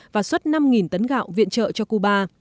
và xuất năm tấn gạo viện trợ cho cuba